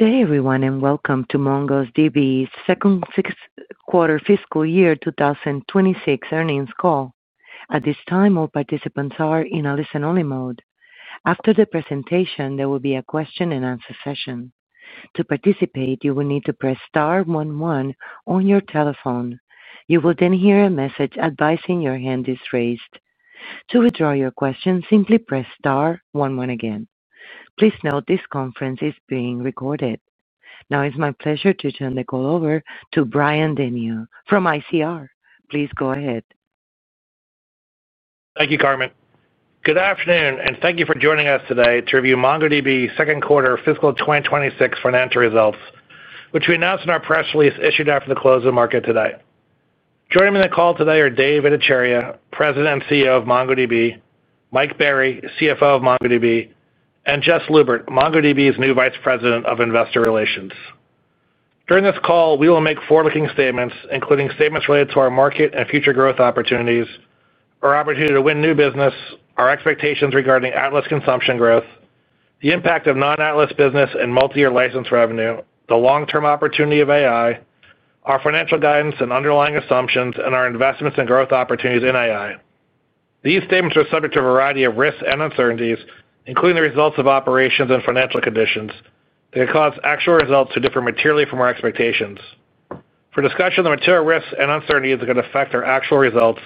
Good day everyone and welcome to MongoDB's Second Quarter Fiscal Year 2026 Earnings Call. At this time all participants are in a listen only mode. After the presentation there will be a question and answer session. To participate you will need to press star one one on your telephone. You will then hear a message advising your hand is raised. To withdraw your question, simply press star one one again. Please note this conference is being recorded. Now it's my pleasure to turn the call over to Brian Denyeau from ICR. Please go ahead. Thank you. Good afternoon and thank you for joining us today to review MongoDB second quarter fiscal 2026 financial results. Announced in our press release issued after. The close of the market today. Joining me on the call today are Dev Ittycheria, President and CEO of MongoDB, Mike Berry, CFO of MongoDB, and Jess Lubert, MongoDB's new Vice President of Investor Relations. During this call, we will make forward. Looking statements, including statements related to our market and future growth opportunities, our opportunity to win new business, our expectations regarding. Atlas consumption growth, the impact of non-Atlas business, and multi-year license revenue. The long term opportunity of AI, our financial guidance and underlying assumptions, and our. Investments and growth opportunities in AI. These statements are subject to a variety of risks and uncertainties, including the results of operations and financial conditions that cause. Actual results to differ materially from our expectations. For discussion of the material risks and uncertainties that could affect our actual results.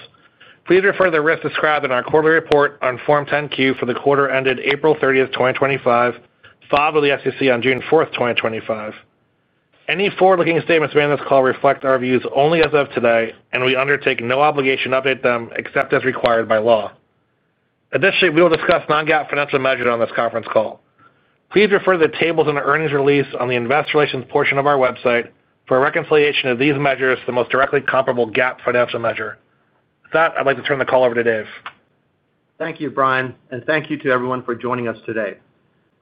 Please refer to the risks described in our quarterly report on Form 10-Q for the quarter ended April 30, 2025, filed. With the SEC on June 4, 2025. Any forward-looking statements made on this call reflect our views only as of today and we undertake no obligation to update them except as required by law. Additionally, we will discuss non-GAAP financial measures on this conference call. Please refer to the tables in the earnings release on the Investor Relations portion of our website for a reconciliation of these measures to the most directly comparable GAAP financial measure. With that, I'd like to turn the call over to Dev. Thank you, Brian, and thank you to everyone for joining us today.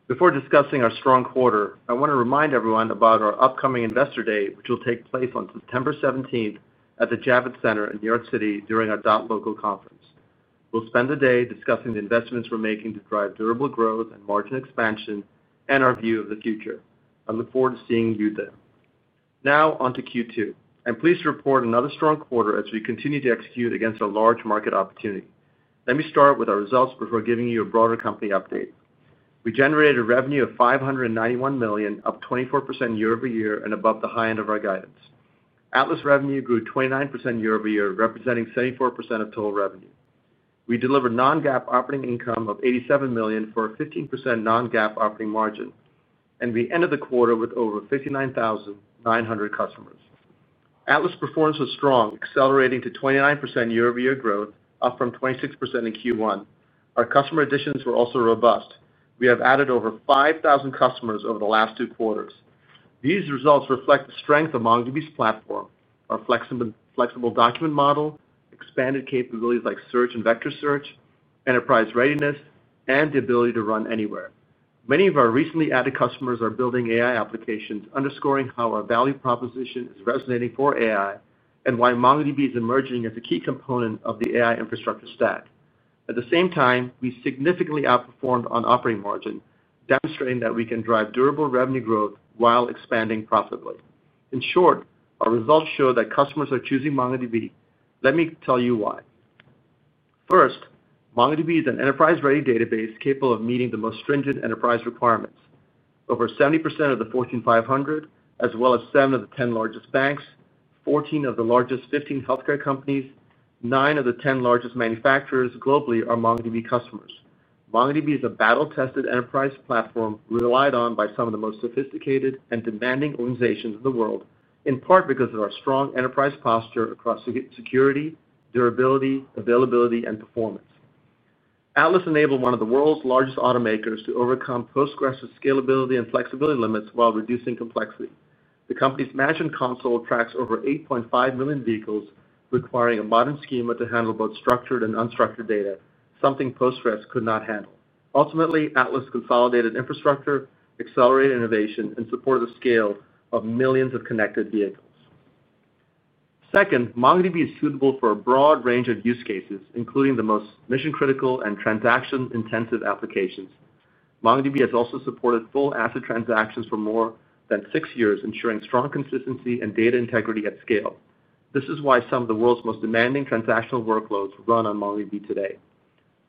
Before discussing our strong quarter, I want to remind everyone about our upcoming Investor Day, which will take place on September 17 at the Javits Center in New York City. During our Dot Local conference, we'll spend the day discussing the investments we're making to drive durable growth and margin expansion and our view of the future. I look forward to seeing you there. Now onto Q2. I'm pleased to report another strong quarter as we continue to execute against a large market opportunity. Let me start with our results before giving you a broader company update. We generated revenue of $591 million, up 24% year-over-year and above the high end of our guidance. Atlas revenue grew 29% year-over-year, representing 74% of total revenue. We delivered non-GAAP operating income of $87 million for a 15% non-GAAP operating margin, and we ended the quarter with over 59,900 customers. Atlas performance was strong, accelerating to 29% year-over-year growth, up from 26% in Q1. Our customer additions were also robust. We have added over 5,000 customers over the last two quarters. These results reflect the strength of MongoDB's platform, our flexible document model, expanded capabilities like search and vector search, enterprise readiness, and the ability to run anywhere. Many of our recently added customers are building AI applications, underscoring how our value proposition is resonating for AI and why MongoDB is emerging as a key component of the AI infrastructure stack. At the same time, we significantly outperformed on operating margin, demonstrating that we can drive durable revenue growth while expanding profitably. In short, our results show that customers are choosing MongoDB. Let me tell you why. First, MongoDB is an enterprise-ready database capable of meeting the most stringent enterprise requirements. Over 70% of the Fortune 500 as well as 7 of the 10 largest banks, 14 of the largest, 15 healthcare companies, 9 of the 10 largest manufacturers globally are MongoDB customers. MongoDB is a battle-tested enterprise platform relied on by some of the most sophisticated and demanding organizations in the world, in part because of our strong enterprise posture across security, durability, availability, and performance. Atlas enabled one of the world's largest automakers to overcome Postgres scalability and flexibility limits while reducing complexity. The company's Magic console tracks over 8.5 million vehicles, requiring a modern schema to handle both structured and unstructured data, something Postgres could not handle. Ultimately, Atlas consolidated infrastructure, accelerated innovation, and supported the scale of millions of connected vehicles. Second, MongoDB is suitable for a broad range of use cases, including the most mission-critical and transaction-intensive applications. MongoDB has also supported full ACID transactions for more than six years, ensuring strong consistency and data integrity at scale. This is why some of the world's most demanding transactional workloads run on MongoDB today.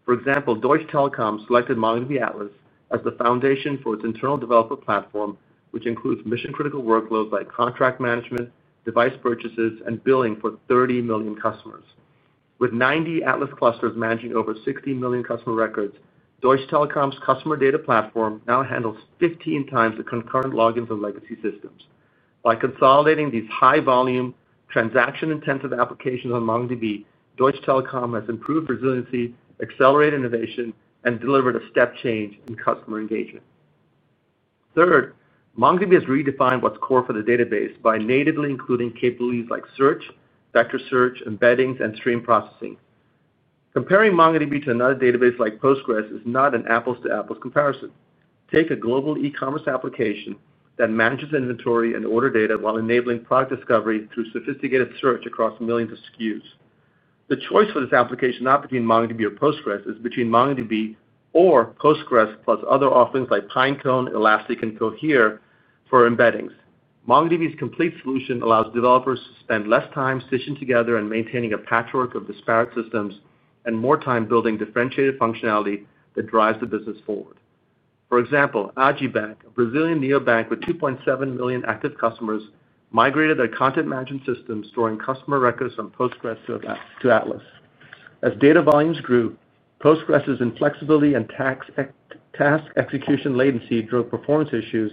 For example, Deutsche Telekom selected MongoDB Atlas as the foundation for its internal developer platform, which includes mission-critical workloads like contract management, device purchases, and billing for 30 million customers. With 90 Atlas clusters managing over 60 million customer records, Deutsche Telekom's customer data platform now handles 15 times the concurrent logins of legacy systems. By consolidating these high-volume, transaction-intensive applications on MongoDB, Deutsche Telekom has improved resiliency, accelerated innovation, and delivered a step change in customer engagement. Third, MongoDB has redefined what's core for the database by natively including capabilities like search, vector search, embeddings, and stream processing. Comparing MongoDB to another database like Postgres is not an apples-to-apples comparison. Take a global e-commerce application that manages inventory and order data while enabling product discovery through sophisticated search across millions of SKUs. The choice for this application is not between MongoDB or Postgres; it is between MongoDB or Postgres plus other offerings like Pinecone, Elastic, and Cohere for embeddings. MongoDB's complete solution allows developers to spend less time stitching together and maintaining a patchwork of disparate systems and more time building differentiated functionality that drives the business forward. For example, Agibank, a Brazilian neobank with 2.7 million active customers, migrated their content management system storing customer records from Postgres to Atlas. As data volumes grew, Postgres inflexibility and task execution latency drove performance issues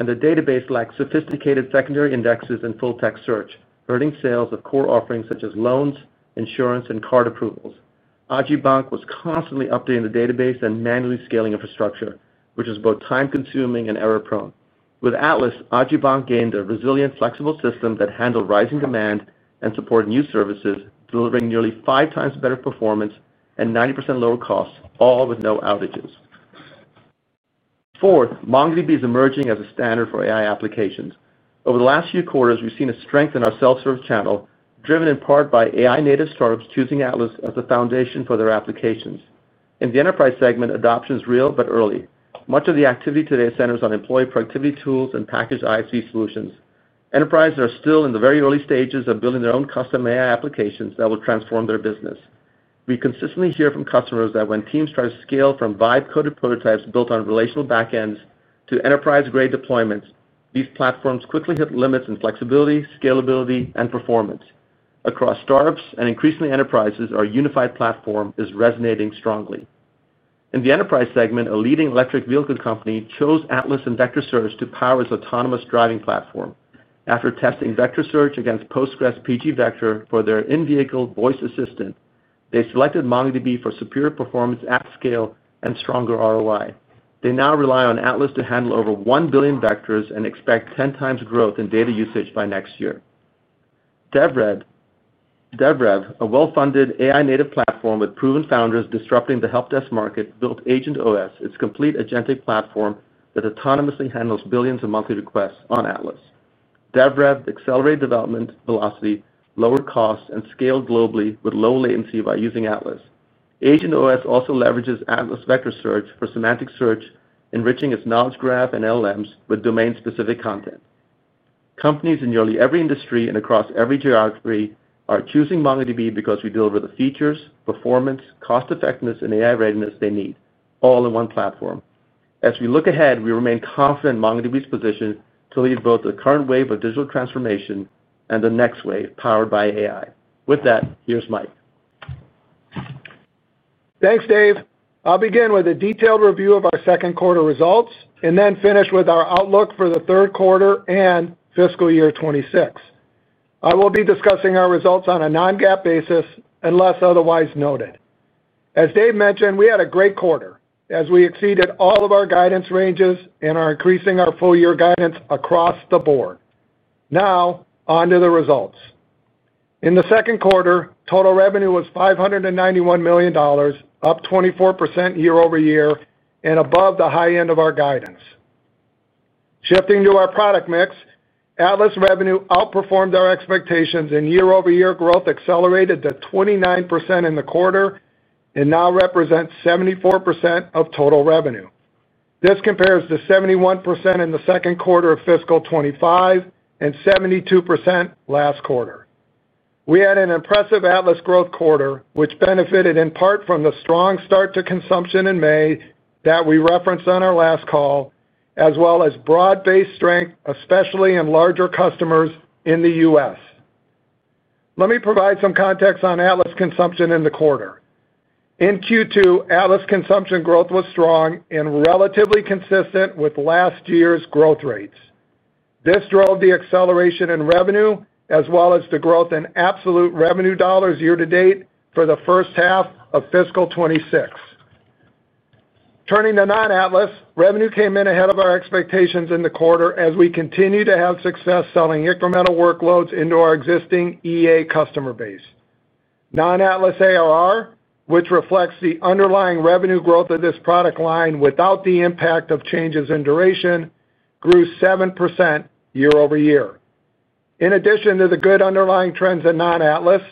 and the database lacked sophisticated secondary indexes and full text search, hurting sales of core offerings such as loans, insurance, and card approvals. Agibank was constantly updating the database and manually scaling infrastructure, which is both time consuming and error prone. With Atlas, Agibank gained a resilient, flexible system that handled rising demand and supported new services, delivering nearly five times better performance and 90% lower costs, all with no outages. Fourth, MongoDB is emerging as a standard for AI applications. Over the last few quarters, we've seen strength in our self-serve channel driven in part by AI-native startups choosing Atlas as the foundation for their applications. In the enterprise segment, adoption is real but early. Much of the activity today centers on employee productivity tools and packaged IFV solutions. Enterprises are still in the very early stages of building their own custom AI applications that will transform their business. We consistently hear from customers that when teams try to scale from vibe-coded prototypes built on relational backends to enterprise-grade deployments, these platforms quickly hit limits in flexibility, scalability, and performance across startups and increasingly enterprises. Our unified platform is resonating strongly in the enterprise segment. A leading electric vehicle company chose Atlas and Vector Search to power its autonomous driving platform. After testing Vector Search against Postgres PGVector for their in-vehicle voice assistant, they selected MongoDB for superior performance at scale and stronger ROI. They now rely on Atlas to handle over 1 billion vectors and expect 10x growth in data usage by next year. DevRev, a well-funded AI-native platform with proven founders disrupting the help desk market, built AgentOS, its complete agent AI platform that autonomously handles billions of monthly requests on Atlas. DevRev accelerated development velocity, lowered costs, and scaled globally with low latency by using Atlas. Agent OS also leverages Atlas Vector Search for semantic search, enriching its knowledge graph and LLMs with domain-specific content. Companies in nearly every industry and across every geography are choosing MongoDB because we deliver the features, performance, cost effectiveness, and AI readiness they need all in one platform. As we look ahead, we remain confident in MongoDB's position to lead both the current wave of digital transformation and the next wave powered by AI. With that, here's Mike. Thanks, Dev. I'll begin with a detailed review of our second quarter results and then finish with our outlook for the third quarter and fiscal year 2026. I will be discussing our results on a non-GAAP basis unless otherwise noted. As Dev mentioned, we had a great quarter as we exceeded all of our guidance ranges and are increasing our full year guidance across the board. Now onto the results. In the second quarter, total revenue was $591 million, up 24% year-over-year and above the high end of our guidance. Shifting to our product mix, Atlas revenue outperformed our expectations and year-over-year growth accelerated to 29% in the quarter and now represents 74% of total revenue. This compares to 71% in the second quarter of fiscal 2025 and 72% last quarter. We had an impressive Atlas growth quarter, which benefited in part from the strong start to consumption in May that we referenced on our last call, as well as broad-based strength, especially in larger customers in the U.S. Let me provide some context on Atlas consumption in the quarter. In Q2, Atlas consumption growth was strong and relatively consistent with last year's growth rates. This drove the acceleration in revenue as well as the growth in absolute revenue dollars year to date for the first half of fiscal 2026. Turning to non-Atlas, revenue came in ahead of our expectations in the quarter as we continue to have success selling incremental workloads into our existing EA customer base. Non-Atlas ARR, which reflects the underlying revenue growth of this product line without the impact of changes in duration, grew 7% year-over-year. In addition to the good underlying trends in non-Atlas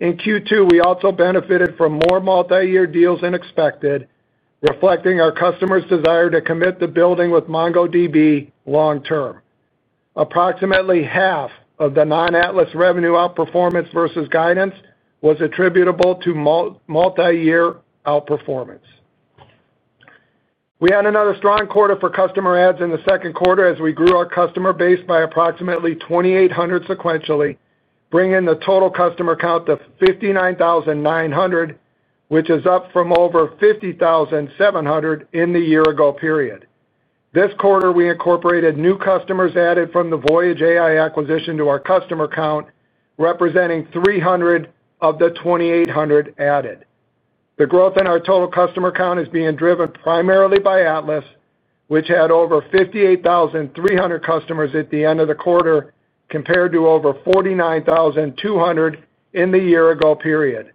in Q2, we also benefited from more multi-year deals than expected, reflecting our customers' desire to commit to building with MongoDB long term. Approximately half of the non-Atlas revenue outperformance versus guidance was attributable to multi-year outperformance. We had another strong quarter for customer adds in the second quarter as we grew our customer base by approximately 2,800 sequentially, bringing the total customer count to 59,900, which is up from over 50,700 in the year ago period. This quarter, we incorporated new customers added from the Voyage AI acquisition to our customer count, representing 300 of the 2,800 added. The growth in our total customer count is being driven primarily by Atlas, which had over 58,300 customers at the end of the quarter compared to over 49,200 in the year ago period.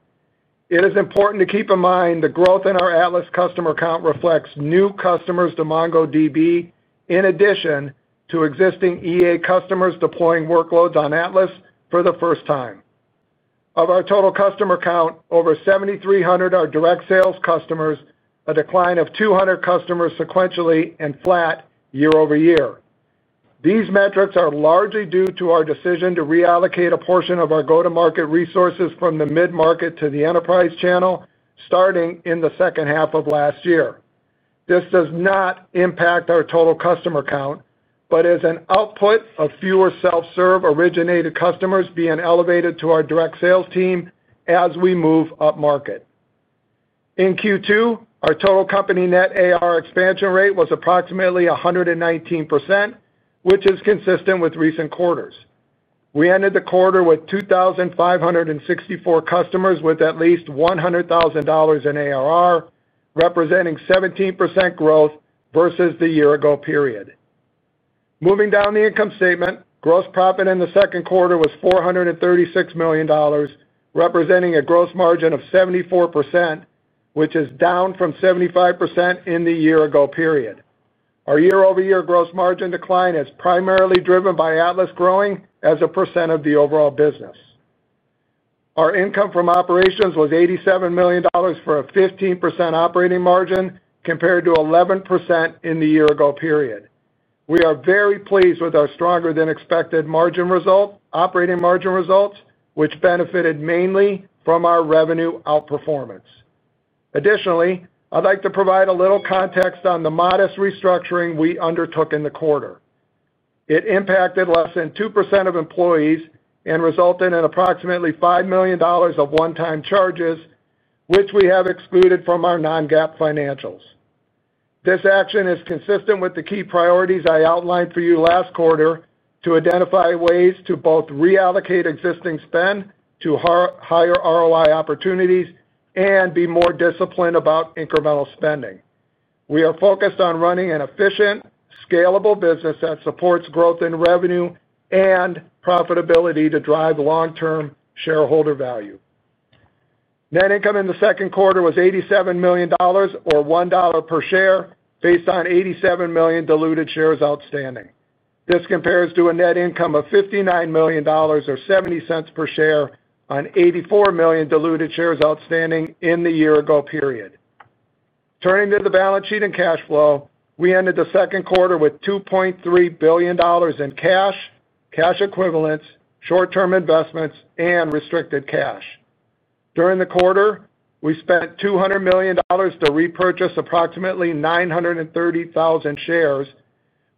It is important to keep in mind the growth in our Atlas customer count reflects new customers to MongoDB in addition to existing EA customers deploying workloads on Atlas for the first time. Of our total customer count, over 7,300 are direct sales customers, a decline of 200 customers sequentially and flat year-over-year. These metrics are largely due to our decision to reallocate a portion of our go-to-market resources from the mid-market to the enterprise channel starting in the second half of last year. This does not impact our total customer count but is an output of fewer self-serve originated customers being elevated to our direct sales team as we move up market. In Q2, our total company net AR expansion rate was approximately 119%, which is consistent with recent quarters. We ended the quarter with 2,564 customers with at least $100,000 in ARR, representing 17% growth versus the year ago period. Moving down the income statement, gross profit in the second quarter was $436 million, representing a gross margin of 74%, which is down from 75% in the year ago period. Our year-over-year gross margin decline is primarily driven by Atlas growing as a percent of the overall business. Our income from operations was $87 million for a 15% operating margin compared to 11% in the year ago period. We are very pleased with our stronger than expected operating margin results, which benefited mainly from our revenue outperformance. Additionally, I'd like to provide a little context on the modest restructuring we undertook in the quarter. It impacted less than 2% of employees and resulted in approximately $5 million of one-time charges, which we have excluded from our non-GAAP financials. This action is consistent with the key priorities I outlined for you last quarter to identify ways to both reallocate existing spend to higher ROI opportunities and be more disciplined about incremental spending. We are focused on running an efficient, scalable business that supports growth in revenue and profitability to drive long-term shareholder value. Net income in the second quarter was $87 million, or $1 per share, based on 87 million diluted shares outstanding. This compares to a net income of $59 million, or $0.70 per share, on 84 million diluted shares outstanding in the year ago period. Turning to the balance sheet and cash flow, we ended the second quarter with $2.3 billion in cash, cash equivalents, short-term investments, and restricted cash. During the quarter we spent $200 million to repurchase approximately 930,000 shares,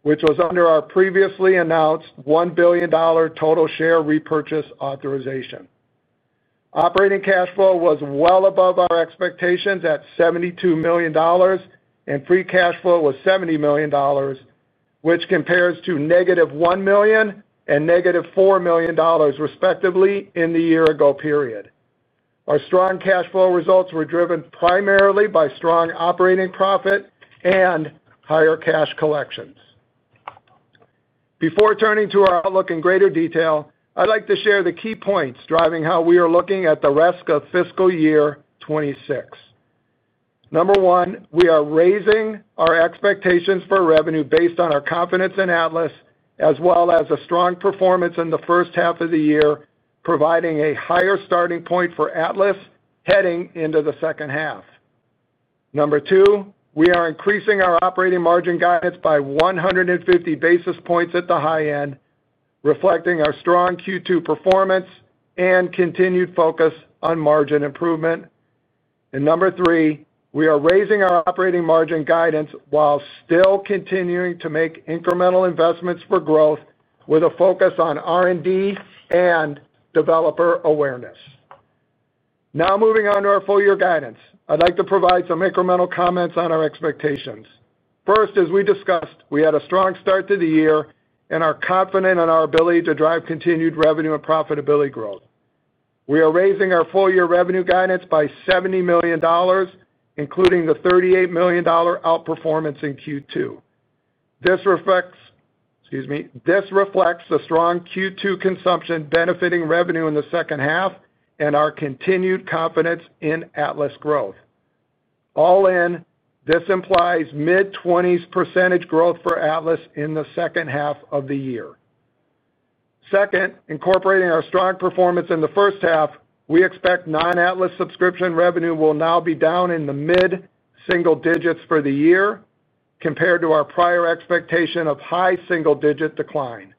which was under our previously announced $1 billion total share repurchase authorization. Operating cash flow was well above our expectations at $72 million and free cash flow was $70 million, which compares to -$1 million and -$4 million, respectively, in the year ago period. Our strong cash flow results were driven primarily by strong operating profit and higher cash collections. Before turning to our outlook in greater detail, I'd like to share the key points driving how we are looking at the rest of fiscal year 2026. Number one, we are raising our expectations for revenue based on our confidence in Atlas as well as a strong performance in the first half of the year, providing a higher starting point for Atlas heading into the second half. Number two, we are increasing our operating margin guidance by 150 basis points at the high end, reflecting our strong Q2 performance and continued focus on margin improvement. Number three, we are raising our operating margin guidance while still continuing to make incremental investments for growth with a focus on R&D and developer awareness. Now, moving on to our full year guidance, I'd like to provide some incremental comments on our expectations. First, as we discussed, we had a strong start to the year and are confident in our ability to drive continued revenue and profitability growth. We are raising our full year revenue guidance by $70 million, including the $38 million outperformance in Q2. This reflects the strong Q2 consumption benefiting revenue in the second half and our continued confidence in Atlas growth. All this implies mid-20s % growth for Atlas in the second half of the year. Second, incorporating our strong performance in the first half, we expect non-Atlas subscription revenue will now be down in the mid single digits for the year compared to our prior expectation of high single digit decline.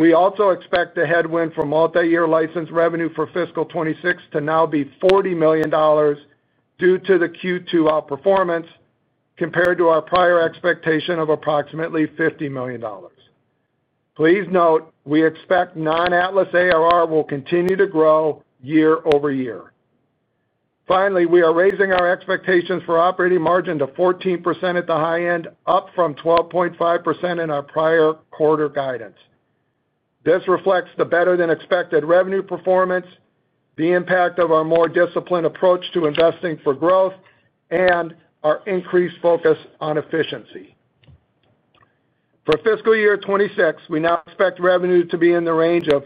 We also expect the headwind for multi-year license revenue for fiscal 2026 to now be $40 million due to the Q2 outperformance compared to our prior expectation of approximately $50 million. Please note we expect non-Atlas ARR will continue to grow year-over-year. Finally, we are raising our expectations for operating margin to 14% at the high end, up from 12.5% in our prior quarter guidance. This reflects the better than expected revenue performance, the impact of our more disciplined approach to investing for growth, and our increased focus on efficiency for fiscal year 2026. We now expect revenue to be in the range of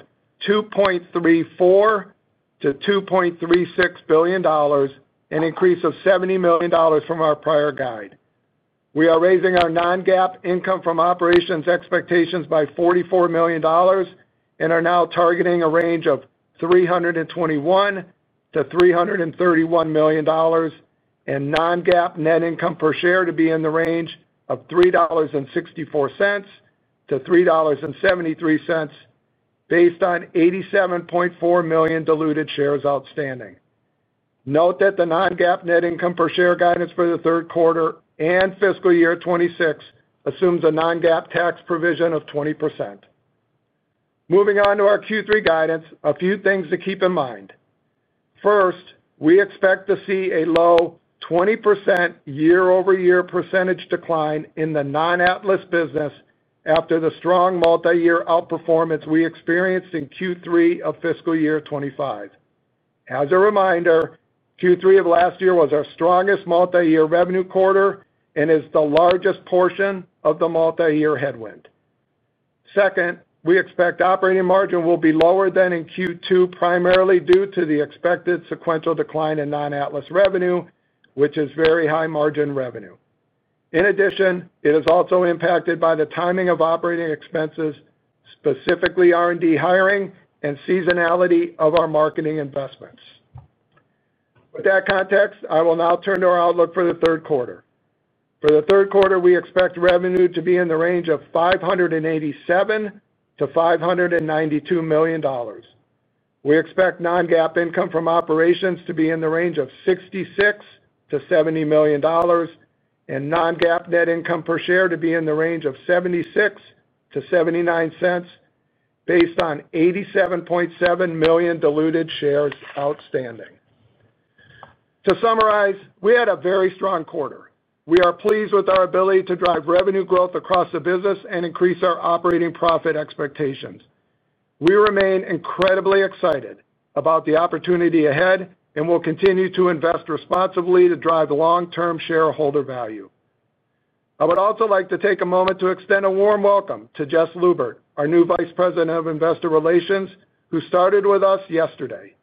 $2.34 billion-$2.36 billion, an increase of $70 million from our prior guide. We are raising our non-GAAP income from operations expectations by $44 million and are now targeting a range of $321 million-$331 million, and non-GAAP net income per share to be in the range of $3.64-$3.73 based on 87.4 million diluted shares outstanding. Note that the non-GAAP net income per share guidance for the third quarter and fiscal year 2026 assumes a non-GAAP tax provision of 20%. Moving on to our Q3 guidance, a few things to keep in mind. First, we expect to see a low 20% year-over-year percentage decline in the non-Atlas business after the strong multi-year outperformance we experienced in Q3 of fiscal year 2025. As a reminder, Q3 of last year was our strongest multi-year revenue quarter and is the largest portion of the multi-year headwind. Second, we expect operating margin will be lower than in Q2 primarily due to the expected sequential decline in non-Atlas revenue, which is very high margin revenue. In addition, it is also impacted by the timing of operating expenses, specifically R&D hiring and seasonality of our marketing investments. With that context, I will now turn to our outlook for the third quarter. For the third quarter, we expect revenue to be in the range of $587 million-$592 million. We expect non-GAAP income from operations to be in the range of $66 million-$70 million, and non-GAAP net income per share to be in the range of $0.76-$0.79 based on 87.7 million diluted shares outstanding. To summarize, we had a very strong quarter. We are pleased with our ability to drive revenue growth across the business and increase our operating profit expectations. We remain incredibly excited about the opportunity ahead and will continue to invest responsibly to drive long-term shareholder value. I would also like to take a moment to extend a warm welcome to Jess Lubert, our new Vice President of Investor Relations, who started with us yesterday.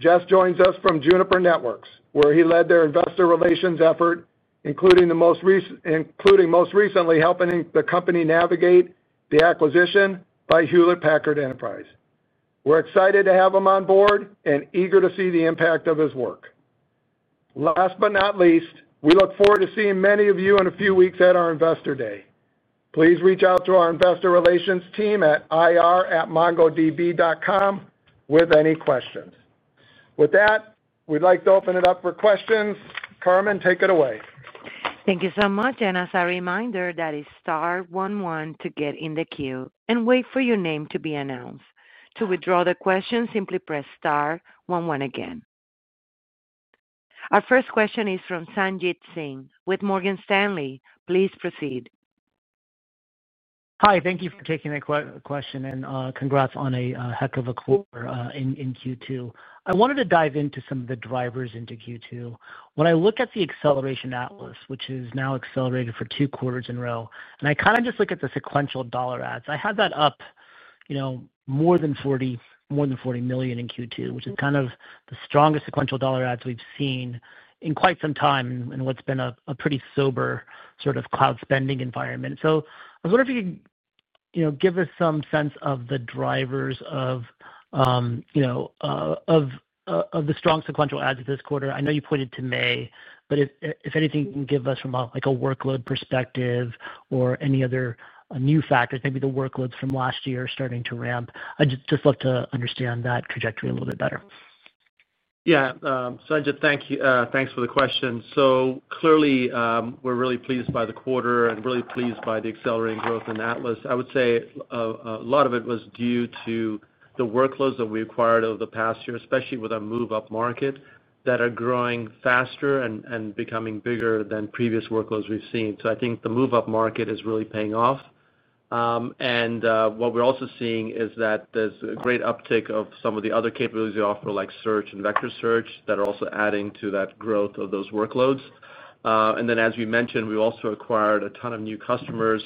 Jess joins us from Juniper Networks, where he led their investor relations effort, including most recently helping the company navigate the acquisition by Hewlett Packard Enterprise. We're excited to have him on board and eager to see the impact of his work. Last but not least, we look forward to seeing many of you in a few weeks at our Investor Day. Please reach out to our investor relations team at ir@mongodb.com with any questions. With that, we'd like to open it up for questions. Carmen, take it away. Thank you so much. As a reminder, that is star one one to get in the queue and wait for your name to be announced. To withdraw the question, simply press star one one. Again, our first question is from Sanjit Singh with Morgan Stanley. Please proceed. Hi, thank you for taking that question and congrats on a heck of a quarter in Q2. I wanted to dive into some of the drivers into Q2. When I look at the acceleration Atlas, which has now accelerated for two quarters, and I just look at the sequential dollar adds, I had that up more than $40 million in Q2, which is kind of the strongest sequential dollar adds we've seen in quite some time in what's been a pretty sober cloud spending environment. I wonder if you can give us some sense of the drivers of the strong sequential additive this quarter. I know you pointed to May. If anything you can give us from a workload perspective or new factors, maybe the workloads from last year are starting to ramp. I just love to understand that trajectory a little bit better. Yeah, Sanjit, thanks for the question. Clearly we're really pleased by the quarter and really pleased by the accelerating growth in Atlas. I would say a lot of it was due to the workloads that we acquired over the past year, especially with a move up market that are growing faster and becoming bigger than previous workloads we've seen. I think the move up market is really paying off and what we're also seeing is that there's a great uptick of some of the other capabilities we offer like search and vector search that are also adding to that growth of those workloads. As we mentioned we also acquired a ton of new customers.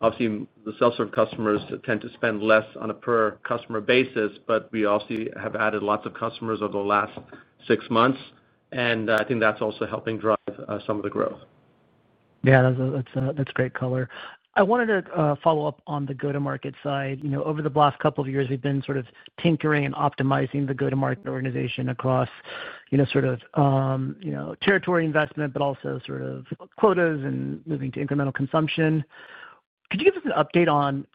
Obviously the self-serve customers tend to spend less on a per customer basis. We also have added lots of customers over the last six months and I think that's also helping drive some of the growth. Yeah, that's great color. I wanted to follow up on the go to market side. Over the last couple of years we've been sort of tinkering and optimizing the go to market organization across sort of territory investment, but also sort of quotas and moving to incremental consumption. Could you give us an update on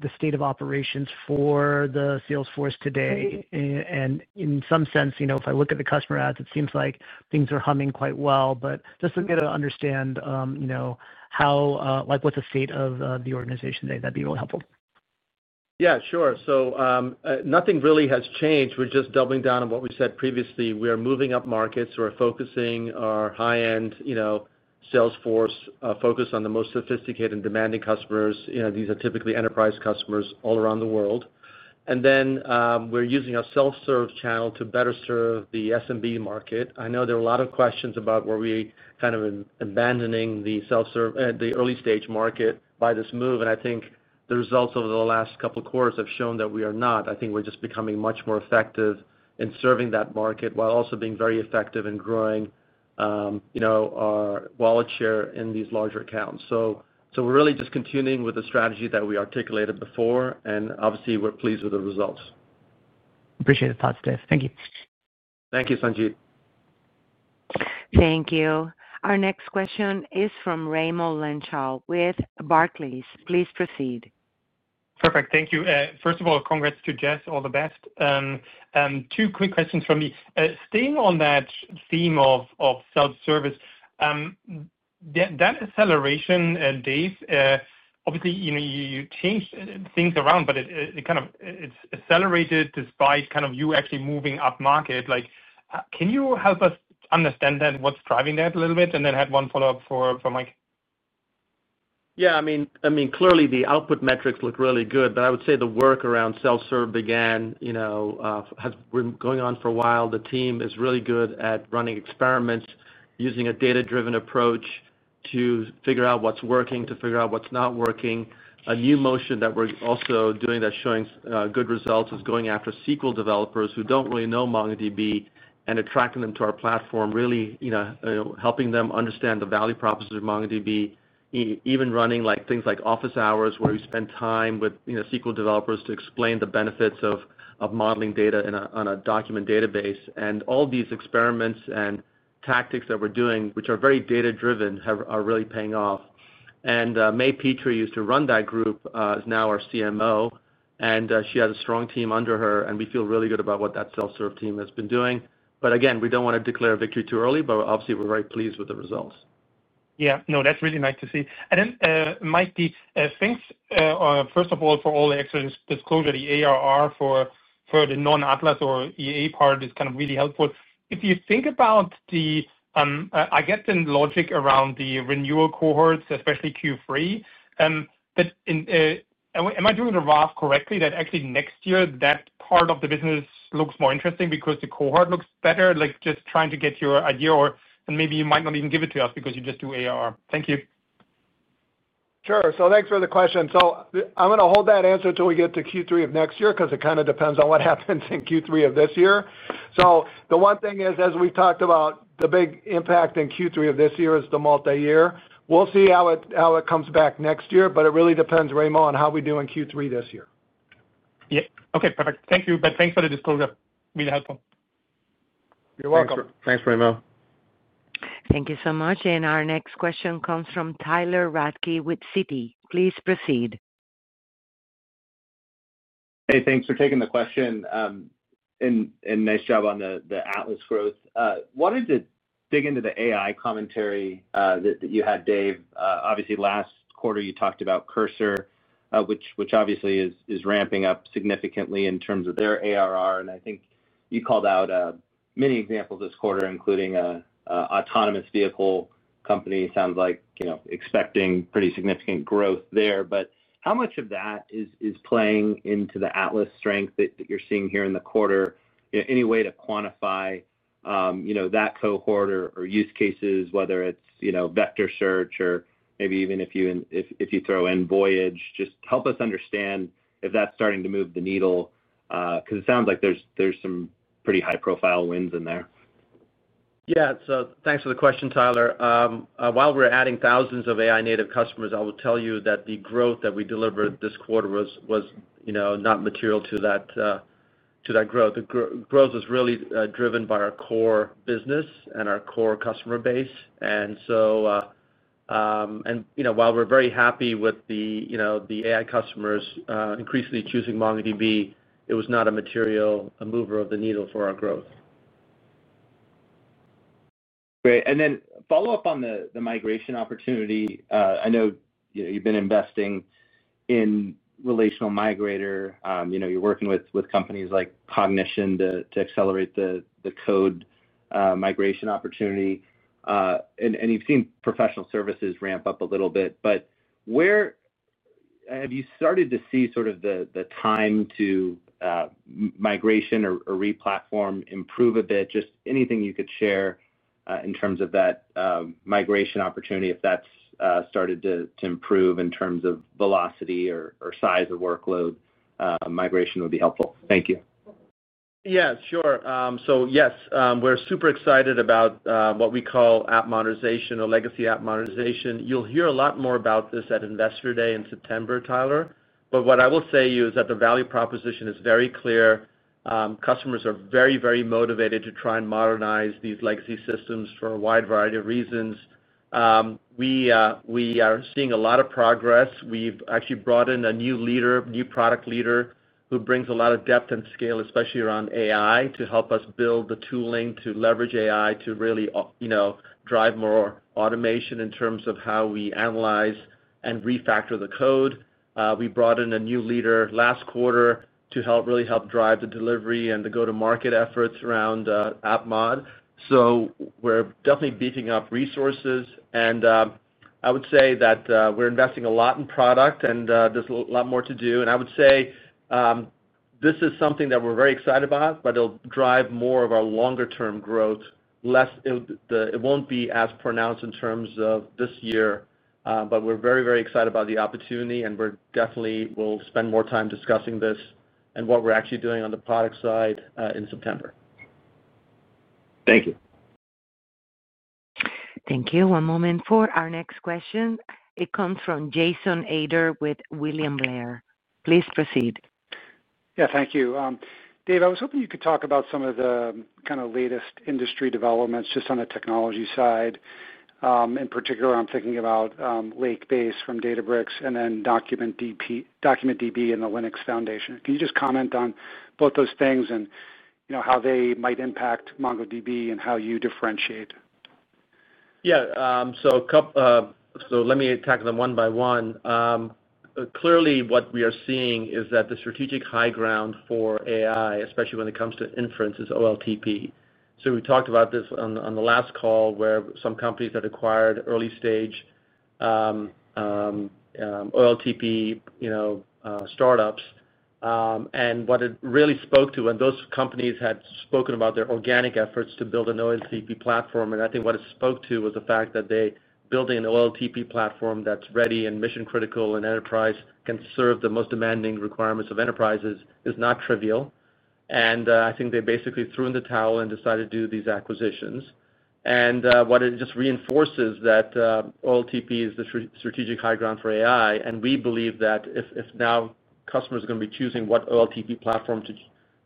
the state of operations for the salesforce today? In some sense, if I look at the customer ads, it seems like things are humming quite well. Just to get to understand how like what the state of the organization today, that'd be really helpful. Yeah, sure. Nothing really has changed. We're just doubling down on what we said previously. We are moving up markets. We're focusing our high-end salesforce focus on the most sophisticated and demanding customers. These are typically enterprise customers all around the world. We're using a self-serve channel to better serve the SMB market. I know there are a lot of questions about whether we're kind of abandoning the early-stage market by this move, and I think the results over the last couple quarters have shown that we are not. I think we're just becoming much more effective in serving that market while also being very effective in growing our wallet share in these larger accounts. We're really just continuing with the strategy that we articulated before, and obviously we're pleased with the results. Appreciate the thought, Dev. Thank you. Thank you, Sanjit. Thank you. Our next question is from Raimo Lenschow with Barclays. Please proceed. Perfect. Thank you. First of all, congrats to Jess. All the best. Two quick questions for me. Staying on that theme of self-serve, that acceleration, Dev, obviously you changed things. It's accelerated despite you actually moving up market. Can you help us understand that? What's driving that a little bit? I had one follow-up for Mike. Yeah, I mean clearly the output metrics look really good. I would say the work around self-serve began, has been going on for a while. The team is really good at running experiments using a data-driven approach to figure out what's working, to figure out what's not working. A new motion that we're also doing that's showing good results is going after SQL developers who don't really know MongoDB and attracting them to our platform, really helping them understand the value proposition of MongoDB. Even running things like office hours where we spend time with SQL developers to explain the benefits of modeling data on a document database. All these experiments and tactics that we're doing, which are very data-driven, are really paying off. Mae Petrie, who used to run that group, is now our CMO and she has a strong team under her and we feel really good about what that self-serve team has been doing. We don't want to declare a victory too early. Obviously we're very pleased with the results. Yeah, no, that's really nice to see. Then Mike, things. First of all, for all the extra disclosure, the ARR for the non-Atlas or EA part is kind of really. Helpful if you think about the. I get the logic around the renewal cohorts, especially Q3, but am I doing? The Roth correctly that actually next year. That part of the business looks more interesting because the cohort looks better. Just trying to get your idea or maybe you might not even give. Thank you. Sure. Thanks for the question. I'm going to hold that answer till we get to Q3 of next year because it kind of depends on what happens in Q3 of this year. The one thing is, as we talked about, the big impact in Q3 of this year is the multi year. We'll see how it comes back next year. It really depends, Raimo, how we do in Q3 this year. Okay, perfect. Thank you. Thanks for the disclosure. Really helpful. You're welcome. Thanks, Raimo. Thank you so much. Our next question comes from Tyler Radke with Citi. Please proceed. Hey, thanks for taking the question and nice job on the Atlas growth. Wanted to dig into the AI commentary that you had, Dev. Obviously last year quarter you talked about Cursor, which obviously is ramping up significantly in terms of their ARR. I think you called out many examples this quarter, including autonomous vehicle company. Sounds like expecting pretty significant growth there. How much of that is playing into the Atlas strength that you're seeing here in the quarter? Any way to quantify that cohort or use cases, whether it's, you know, vector search or maybe even if you throw in Voyage. Just help us understand if that's starting to move the needle because it sounds like there's some pretty high profile wins in there. Yeah, so thanks for the question, Tyler. While we're adding thousands of AI-native customers, I will tell you that the growth that we delivered this quarter was not material to that growth. The growth was really driven by our core business and our core customer base. While we're very happy with the AI customers increasingly choosing MongoDB, it was not a material mover of the needle for our growth. Great. Then follow up on the migration opportunity. I know you've been investing in Relational Migrator, you're working with companies like Cognition to accelerate the code migration opportunity and you've seen professional services ramp up a little bit. Where have you started to see sort of the time to migration or replatform improve a bit? Just anything you could share in terms of that migration opportunity, if that's started to improve in terms of velocity or size of workload migration would be helpful. Thank you. Yeah, sure. Yes, we're super excited about what we call app monetization or legacy app monetization. You'll hear a lot more about this at Investor Day in September, Tyler. What I will say is that the value proposition is very clear. Customers are very, very motivated to try and modernize these legacy systems for a wide variety of reasons. We are seeing a lot of progress. We've actually brought in a new product leader who brings a lot of depth and scale, especially around AI, to help us build the tooling to leverage AI to really drive more automation in terms of how we analyze and refactor the code. We brought in a new leader last quarter to really help drive the delivery and the go-to-market efforts around AppMod. We're definitely beefing up resources and I would say that we're investing a lot in product and there's a lot more to do. I would say this is something that we're very excited about, but it'll drive more of our longer-term growth. It won't be as pronounced in terms of this year, but we're very, very excited about the opportunity and we definitely will spend more time discussing this and what we're actually doing on the product side in September. Thank you. One moment for our next question, it comes from Jason Ader with William Blair. Please proceed. Thank you. Dave, I was hoping you could talk about some of the kind of latest industry developments. Just on the technology side in particular, I'm thinking about Lake Base from Databricks and then DocumentDB and the Linux Foundation. Can you just comment on both those things and how they might impact MongoDB and how you differentiate. Let me tackle them one by one. Clearly, what we are seeing is that the strategic high ground for AI, especially when it comes to inference, is OLTP. We talked about this on the last call, where some companies had acquired early stage OLTP startups, and what it really spoke to when those companies had spoken about their organic efforts to build an OLTP platform, and I think what it spoke to was the fact that building an OLTP platform that's ready and mission critical and enterprise can serve the most demanding requirements of enterprises is not trivial. I think they basically threw in the towel and decided to do these acquisitions. What it just reinforces is that OLTP is the strategic high ground for AI. We believe that if now customers are going to be choosing what OLTP platform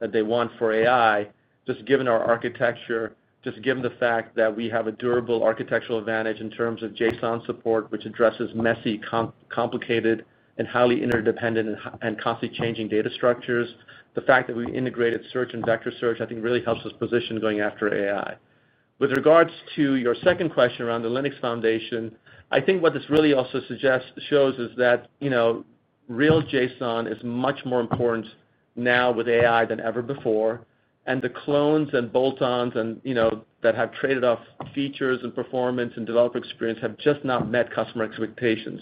they want for AI, just given our architecture, just given the fact that we have a durable architectural advantage in terms of JSON support, which addresses messy, complicated, and highly interdependent and constantly changing data structures, the fact that we integrated search and vector search I think really helps us position going after AI. With regards to your second question around the Linux Foundation, I think what this really also suggests shows is that real JSON is much more important now with AI than ever before. The clones and bolt-ons that have traded off features and performance and developer experience have just not met customer expectations.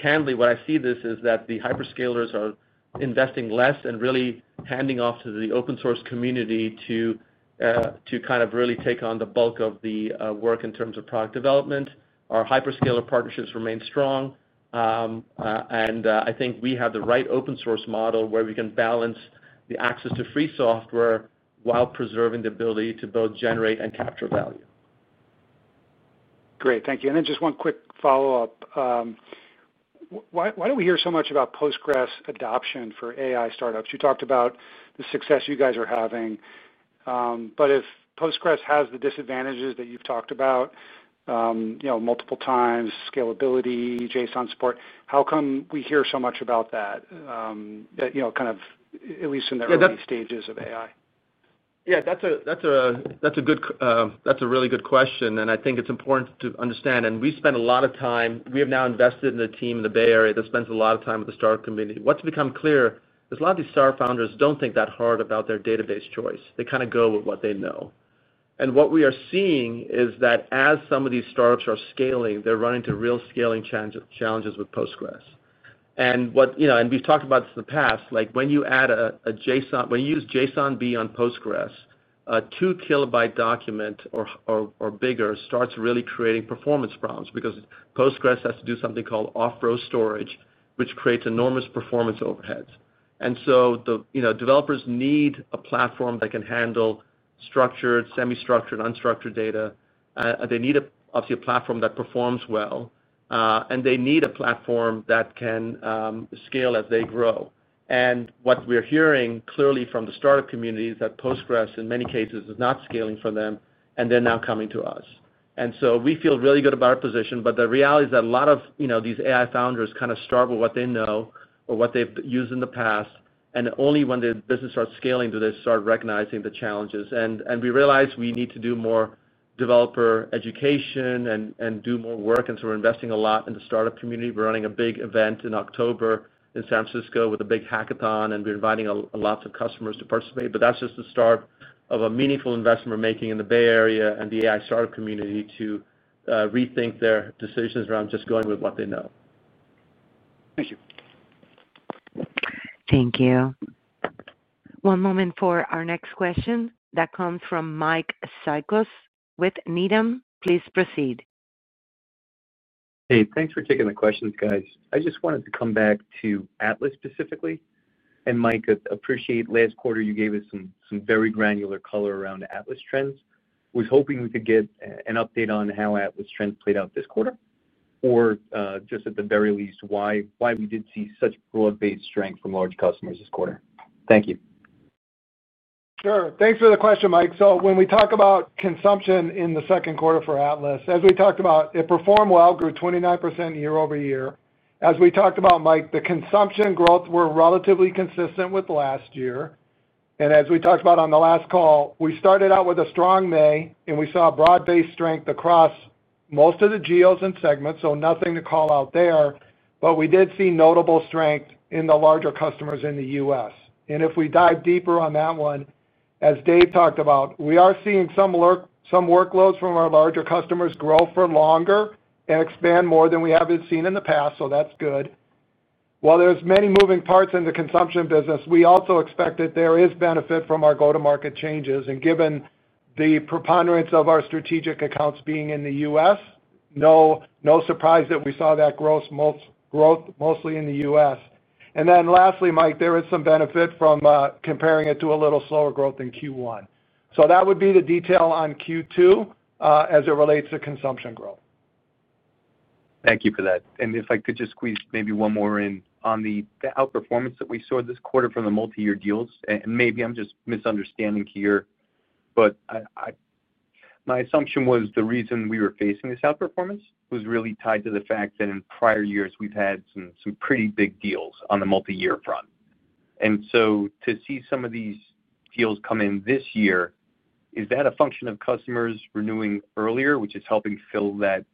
Candidly, what I see is that the hyperscalers are investing less and really handing off to the open source community to kind of really take on the bulk of the work in terms of product development. Our hyperscaler partnerships remain strong, and I think we have the right open source model where we can balance the access to free software while preserving the ability to both generate and capture value. Great, thank you. Just one quick follow up. Why do we hear so much about Postgres adoption for AI startups? You talked about the success you guys are having. If Postgres has the disadvantages that you've talked about multiple times, scalability, JSON support, how come we hear so much about that You know, at least. In their early stages of AI? That's a really good question. I think it's important to understand, and we spend a lot of time, we have now invested in a team in the Bay Area that spends a lot of time with the startup community. What's become clear is a lot of these startup founders don't think that hard about their database choice. They kind of go with what they know. What we are seeing is that as some of these startups are scaling, they're running into real scaling challenges with Postgres. We've talked about this in the past, like when you add a JSON, when you use JSON B on Postgres, a 2 KB document or bigger starts really creating performance problems because Postgres has to do something called off row storage, which creates enormous performance overheads. Developers need a platform that can handle structured, semi-structured, unstructured data. They need a platform that performs well, and they need a platform that can scale as they grow. What we're hearing clearly from the startup community is that Postgres in many cases is not scaling for them, and they're now coming to us. We feel really good about our position. The reality is that a lot of these AI founders kind of start with what they know or what they've used in the past. Only when the business starts scaling do they start recognizing the challenges. We realize we need to do more developer education and do more work. We're investing a lot in the startup community. We're running a big event in October in San Francisco with a big hackathon, and we're inviting lots of customers to participate. That's just the start of a meaningful investment we're making in the Bay Area and the AI startup community to rethink their decisions around just going with what they know. Thank you. One moment for our next question. That comes from Mike Cikos with Needham. Please proceed. Hey, thanks for taking the questions, guys. I just wanted to come back to Atlas specifically, and Mike, appreciate last quarter you gave us some very granular color around Atlas trends. Was hoping we could get an update on how Atlas trends played out this quarter or just at the very least why we did see such broad-based strength from large customers this quarter. Thank you. Sure. Thanks for the question, Mike. When we talk about consumption in the second quarter for Atlas, as we talked about, it performed well, grew 29% year-over-year. As we talked about, Mike, the consumption growth was relatively consistent with last year, and as we talked about on the last call, we started out with a strong May and we saw broad-based strength across most of the GEOs and segments. Nothing to call out there, but we did see notable strength in the larger customers in the U.S., and if we dive deeper on that one, as Dev talked about, we are seeing some workloads from our larger customers grow for longer and expand more than we have seen in the past. That's good. While there are many moving parts in the consumption business, we also expect that there is benefit from our go-to-market changes. Given the preponderance of our strategic accounts being in the U.S., no surprise that we saw that growth mostly in the U.S. Lastly, Mike, there is some benefit from comparing it to a little slower growth in Q1. That would be the detail on Q2 as it relates to consumption growth. Thank you for that. If I could just squeeze maybe one more in on the outperformance that we saw this quarter from the multi-year deals. Maybe I'm just misunderstanding here, but my assumption was the reason we were facing this outperformance was really tied to the fact that in prior years we've had some pretty big deals on the multi-year front. To see some of these deals come in this year, is that a function of customers renewing earlier, which is helping fill that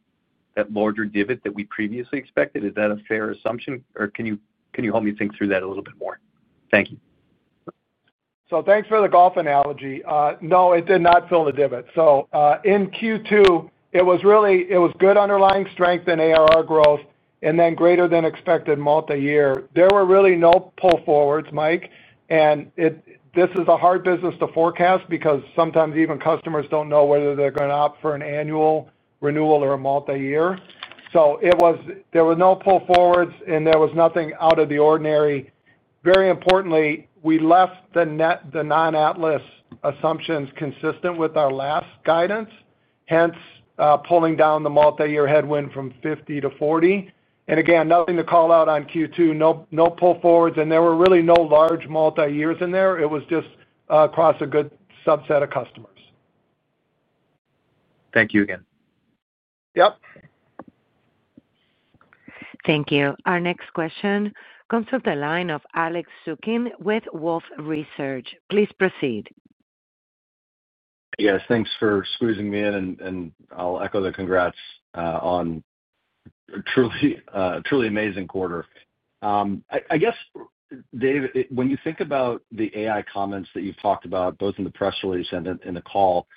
larger divot that we previously expected? Is that a fair assumption, or can you help me think through that a little bit more? Thank you. Thanks for the golf analogy. No, it did not fill the divot. In Q2, it was really good underlying strength in ARR growth and then greater than expected multi-year. There were really no pull forwards, Mike, and this is a hard business to forecast because sometimes even customers don't know whether they're going to opt for an annual renewal or a multi-year. There were no pull forwards and there was nothing out of the ordinary. Very importantly, we left the non-Atlas assumptions consistent with our last guidance, hence pulling down the multi-year headwind from 50-40. Again, nothing to call out on Q2. No pull forwards and there were really no large multi-years in there. It was just across a good subset of customers. Thank you again. Thank you. Our next question comes from the line of Alex Zukin with Wolfe Research. Please proceed. Yes, thanks for squeezing me in and I'll echo the congrats on a truly amazing quarter I guess. Dev, when you think about the AI comments that you've talked about both in the press release and in the call,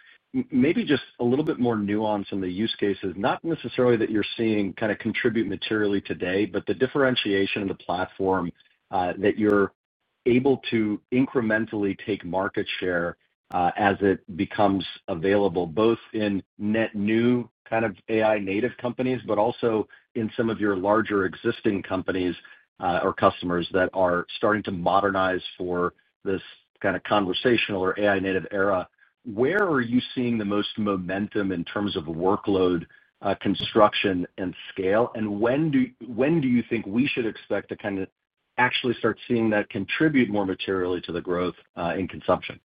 maybe just a little bit more nuance in the use cases, not necessarily that you're seeing kind of contribute materially today, but the differentiation of the platform that you're able to incrementally take market share as it becomes available, both in net new kind of AI-native companies, but also in some of your larger existing companies or customers that are starting to modernize for this kind of conversational or AI-native era, where are you seeing the most momentum in terms of workload construction and scale? When do you think we should expect to kind of actually start seeing that contribute more materially to the growth in consumption.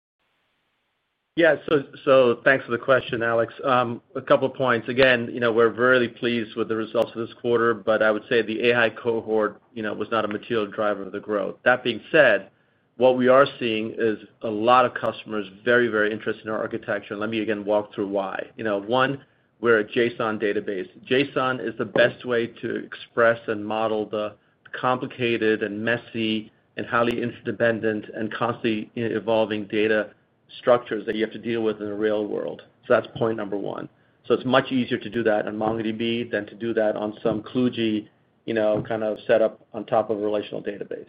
Yeah, so thanks for the question. Alex, a couple of points again, you know, we're really pleased with the results of this quarter, but I would say the AI cohort, you know, was not a material driver of the growth. That being said, what we are seeing is a lot of customers very, very interested in our architecture. Let me again walk through why. One, we're a JSON database. JSON is the best way to express and model the complicated and messy and highly interdependent and constantly evolving data structures that you have to deal with in the real world. That's point number one. It's much easier to do that on MongoDB than to do that on some kludge, you know, kind of set up on top of a relational database.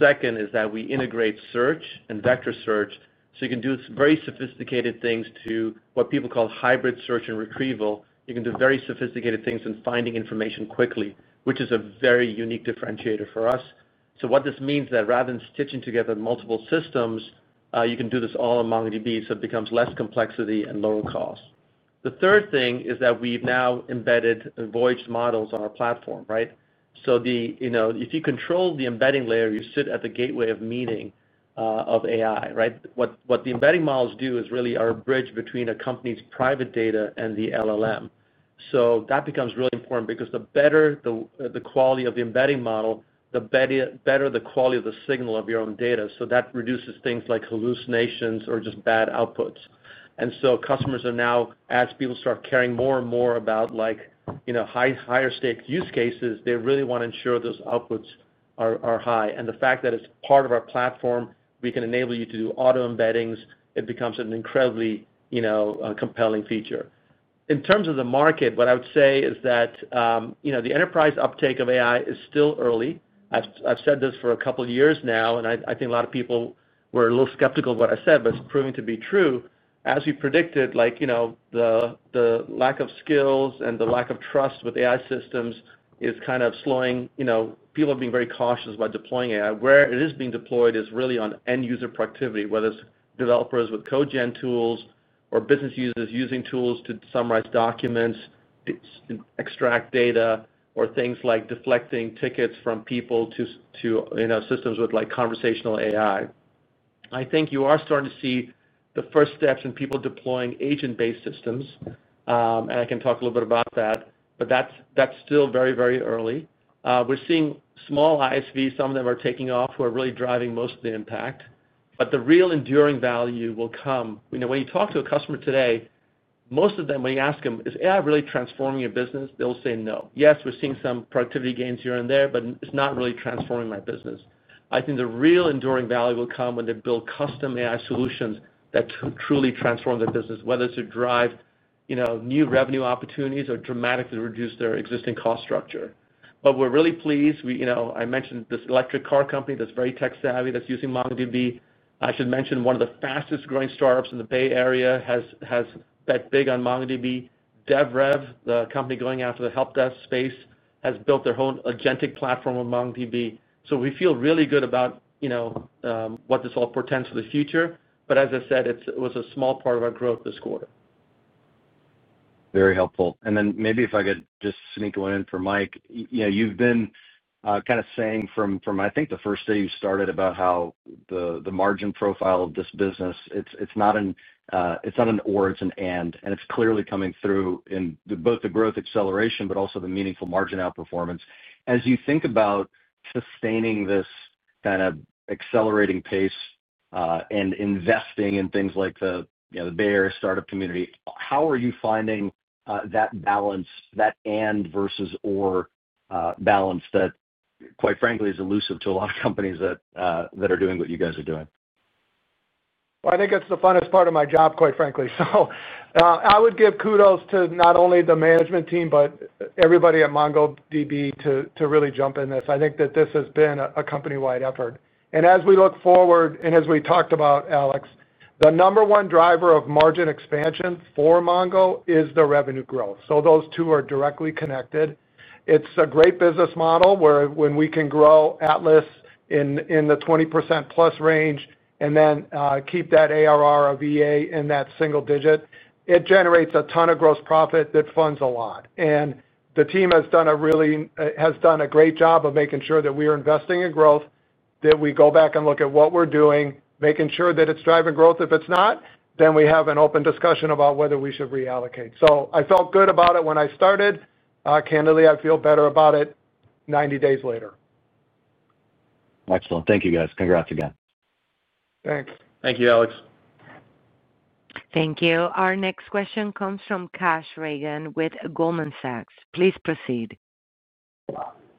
Second is that we integrate search and vector search so you can do very sophisticated things to what people call hybrid search and retrieval. You can do very sophisticated things in finding information quickly, which is a very unique differentiator for us. What this means is that rather than stitching together multiple systems, you can do this all in MongoDB. It becomes less complexity and lower cost. The third thing is that we've now embedded Voyage AI models on our platform, right? If you control the embedding layer, you sit at the gateway of meeting of AI, right? What the embedding models do is really are a bridge between a company's private data and the LLM. That becomes really important because the better the quality of the embedding model, the better the quality of the signal of your own data. That reduces things like hallucinations or just bad outputs. Customers are now, as people start caring more and more about, like, higher stake use cases, they really want to ensure those outputs are high. The fact that it's part of our platform, we can enable you to do auto embeddings. It becomes an incredibly compelling feature in terms of the market. What I would say is that the enterprise uptake of AI is still early. I've said this for a couple years now and I think a lot of people were a little skeptical of what I said, but it's proving to be true, as we predicted. The lack of skills and the lack of trust with AI systems is kind of slowing. People are being very cautious about deploying AI. Where it is being deployed is really on end user productivity, whether it's developers with cogen tools or business users using tools to summarize documents, extract data, or things like deflecting tickets from people to systems with conversational AI. I think you are starting to see the first steps in people deploying agent based systems and I can talk a little bit about that, but that's still very, very early. We're seeing small ISVs, some of them are taking off, who are really driving most of the impact. The real enduring value will come when you talk to a customer today. Most of them, when you ask them is AI really transforming your business, they'll say no. Yes, we're seeing some productivity gains here and there, but it's not really transforming my business. I think the real enduring value will come when they build custom AI solutions that truly transform their business, whether to drive new revenue opportunities or dramatically reduce their existing cost structure. We're really pleased I mentioned this electric car company that's very tech savvy, that's using MongoDB. I should mention one of the fastest growing startups in the Bay Area has bet big on MongoDB. DevRev, the company going after the help desk space, has built their whole agentic platform on MongoDB. We feel really good about what this all portends for the future. As I said, it was a small part of our growth this quarter. Very helpful. Maybe if I could just sneak one in for Mike. You've been kind of saying from I think the first day you started about how the margin profile of this business, it's not an or, it's an and, and it's clearly coming through in both the growth acceleration but also the meaningful margin outperformance as you think, sustaining this kind of accelerating pace and investing in things like the Bay Area startup community. How are you finding that balance, that and versus or balance that quite frankly is elusive to a lot of companies that are doing what you guys are doing. I think it's the funnest part of my job, quite frankly. I would give kudos to not only the management team but everybody at MongoDB to really jump in this. I think that this has been a company-wide effort, and as we look forward and as we talked about, Alex, the number one driver of margin expansion for MongoDB is the revenue growth. Those two are directly connected. It's a great business model where when we can grow Atlas in the 20%+ range and then keep that ARR or VA in that single digit, it generates a ton of gross profit that funds a lot. The team has done a really great job of making sure that we are investing in growth, that we go back and look at what we're doing, making sure that it's driving growth. If it's not, then we have an open discussion about whether we should reallocate. I felt good about it when I started. Candidly, I feel better about it 90 days later. Excellent. Thank you, guys. Congrats again. Thank you, Alex. Thank you. Our next question comes from Kash Rangan with Goldman Sachs. Please proceed.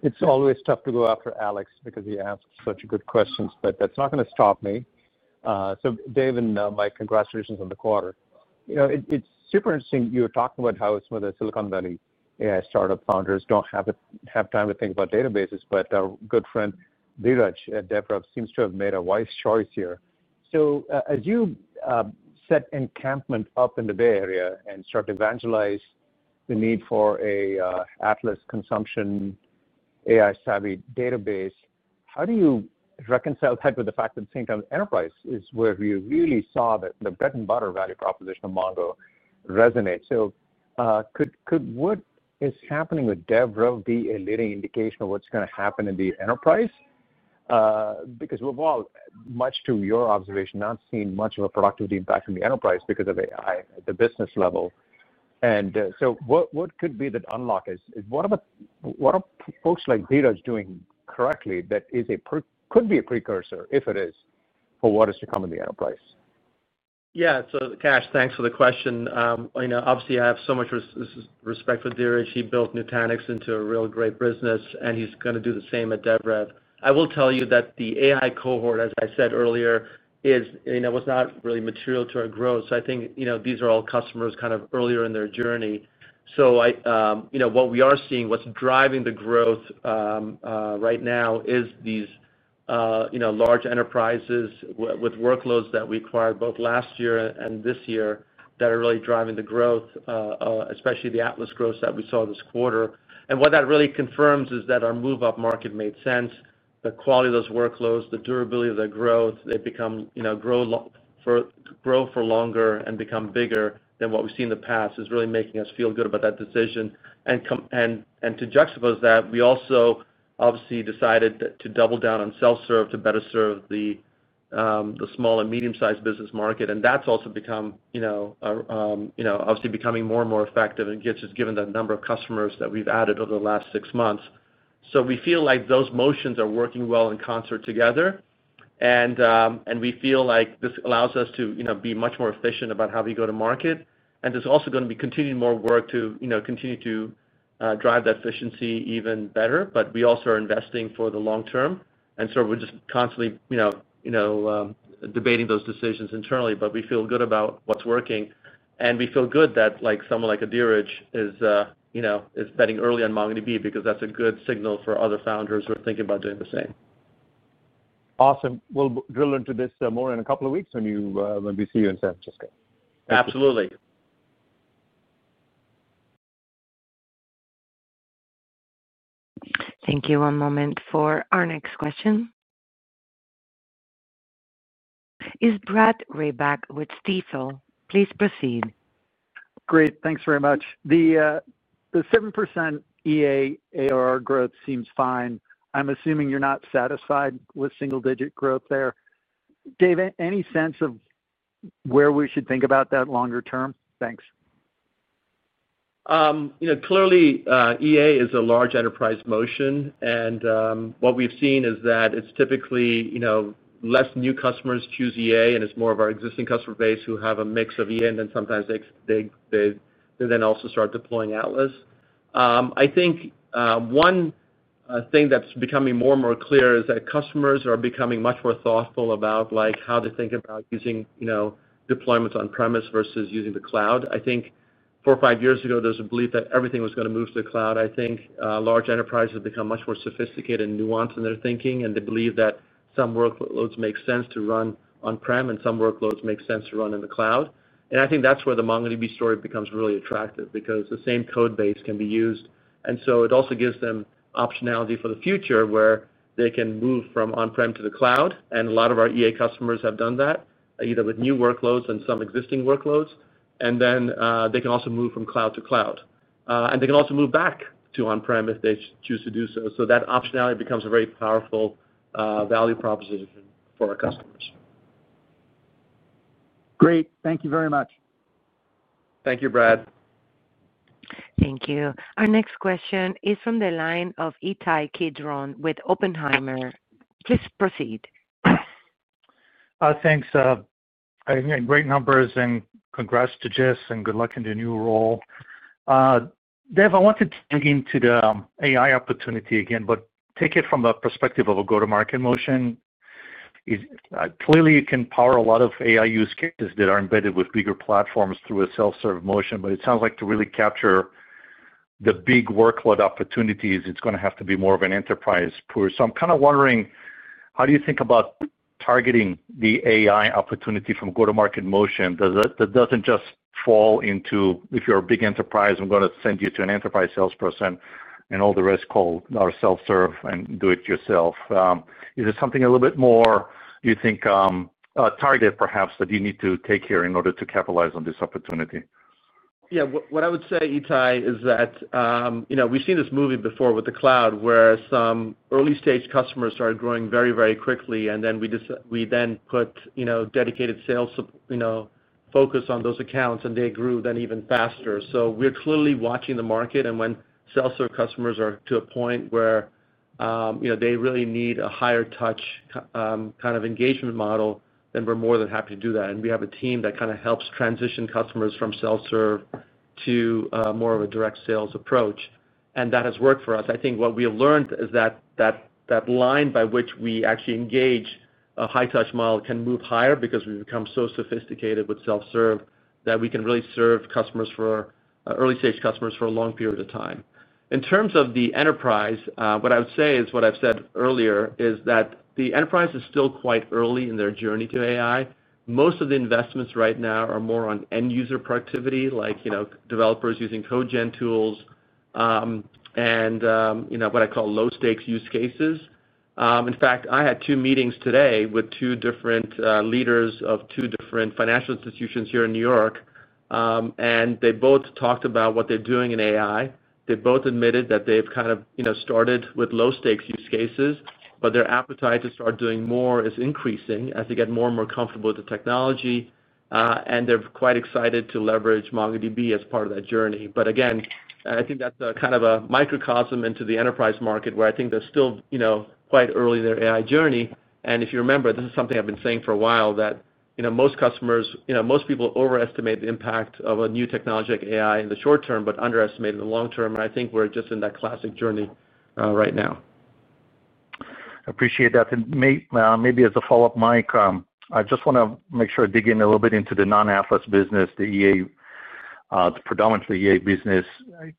It's always tough to go after Alex because he asks such good questions, but that's not going to stop me. So Dev and Mike, congratulations on the quarter. You know it's super interesting you were talking about how some of the Silicon Valley AI startup founders don't have time to think about databases, but our good friend Dheeraj Devrav seems to have made a wise choice here. As you set encampment up in the Bay Area and start to evangelize the need for an Atlas consumption AI savvy database, how do you reconcile that with the fact that at the same time enterprise is where we really saw that the bread and butter value proposition of MongoDB resonate? Could what is happening with Devrav be a leading indication of what's going to happen in the enterprise? We've all, much to your observation, not seen much of a productive impact from the enterprise because of AI at the business level. What could be that unlock is what are folks like Dheeraj doing correctly? That could be a precursor if it is for what is to come in the enterprise. Yeah. Kash, thanks for the question. Obviously, I have so much respect for Dheeraj. He built Nutanix into a really great business and he's going to do the same at DevRev. I will tell you that the AI cohort, as I said earlier, was not really material to our growth. I think these are all customers earlier in their journey. What we are seeing, what's driving the growth right now, is these large enterprises with workloads that we acquired both last year and this year that are really driving the growth, especially the Atlas growth that we saw this quarter. What that really confirms is that our move up market made sense. The quality of those workloads, the durability of their growth, they grow for longer and become bigger than what we've seen in the past, is really making us feel good about that decision. To juxtapose that, we also decided to double down on self-serve to better serve the small and medium-sized business market. That's also obviously becoming more and more effective, given the number of customers that we've added over the last six months. We feel like those motions are working well in concert together and we feel like this allows us to be much more efficient about how we go to market. There's also going to be continued work to continue to drive that efficiency even better. We also are investing for the long term, and we're just constantly debating those decisions internally. We feel good about what's working and we feel good that someone like Dheeraj is betting early on MongoDB because that's a good signal for other founders who are thinking about doing the same. Awesome. We'll drill into this more in a couple of weeks when we see you in San Francisco. Absolutely. Thank you. One moment for our next question. Is Brad Reback with Stifel? Please proceed. Great. Thanks very much. The 7% EA ARR growth seems fine. I'm assuming you're not satisfied with single digit growth there, Dev. Any sense of where we should think about that longer term? Thanks. Clearly, EA is a large enterprise motion and what we've seen is that it's typically less new customers choose EA and it's more of our existing customer base who have a mix of EA and then sometimes also start deploying Atlas. I think one thing that's becoming more and more clear is that customers are becoming much more thoughtful about how to think about using deployments on premise versus using the cloud. Four or five years ago, there was a belief that everything was going to move to the cloud. I think large enterprises have become much more sophisticated and nuanced in their thinking and they believe that some workloads make sense to run on premise and some workloads make sense to run in the cloud. I think that's where the MongoDB story becomes really attractive because the same code base can be used. It also gives them optionality for the future where they can move from on premise to the cloud. A lot of our EA customers have done that either with new workloads and some existing workloads, and they can also move from cloud to cloud and they can also move back to on premise if they choose to do so. That optionality becomes a very powerful value proposition for our customers. Great. Thank you very much. Thank you, Brad. Thank you. Our next question is from the line of Ittai Kidron with Oppenheimer. Please proceed. Thanks. Great numbers and congrats to Jess and good luck in the new role. Dev. I wanted to dig into the AI opportunity again, but take it from the perspective of a go to market motion. Clearly it can power a lot of AI use cases that are embedded with bigger platforms through a self serve motion. It sounds like to really capture the big workload opportunities it's going to have to be more of an enterprise pull. I'm wondering how do you think about targeting the AI opportunity from go to market motion that doesn't just fall into if you're a big enterprise, I'm going to send you to an enterprise salesperson and all the rest call our self serve and do it yourself. Is it something a little bit more, you think, target perhaps that you need to take here in order to capitalize on this opportunity? Yeah. What I would say, Ittai, is that we've seen this movie before with the cloud where some early stage customers started growing very, very quickly and then we put dedicated sales focus on those accounts and they grew then even faster. We're clearly watching the market and when self serve customers are to a point where they really need that helps transition customers from self serve to more of a direct sales approach and that has worked for us. I think what we have learned is that that line by which we actually engage a high touch model can move higher because we've become so sophisticated with self serve that we can really serve customers, early stage customers, for a long period of time. In terms of the enterprise, what I would say is, what I've said earlier is that the enterprise is still quite early in their journey to AI. Most of the investments right now are more on end user productivity like developers using CodeGen tools and what I call low stakes use cases. In fact, I had two meetings today with two different leaders of two different financial institutions here in New York and they both talked about what they're doing in AI. They both admitted that they've started with low stakes use cases, but their appetite to start doing more is increasing as they get more and more comfortable with the technology and they're quite excited to leverage MongoDB as part of that journey. I think that's kind of a microcosm into the enterprise market where I think they're still quite early in their AI journey. If you remember, this is something I've been saying for a while, that most customers, most people overestimate the impact of a new technology like AI in the short term but underestimate it in the long term. I think we're just in that classic journey right now. Appreciate that. Maybe as a follow up, Mike, I just want to make sure I dig in a little bit into the non-Atlas business, the EA, predominantly EA business.